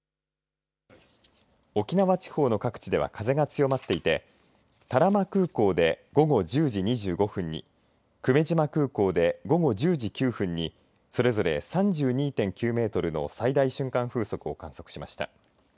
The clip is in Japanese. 沖縄地方の各地では風が強まっていて多良間空港で午後１０時２５分に久米島空港で午後１０時９分にそれぞれ３２．９メートルの最大瞬間風速を観測しました。